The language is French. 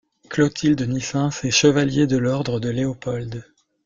Clotilde Nyssens est Chevalier de l'Ordre de Léopold.